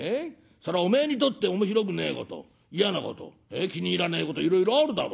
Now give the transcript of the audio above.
そらおめえにとって面白くねえこと嫌なこと気に入らねえこといろいろあるだろうよ。